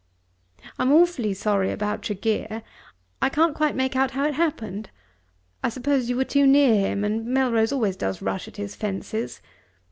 I am awfully sorry about Tregear. I can't quite make out how it happened. I suppose you were too near him, and Melrose always does rush at his fences.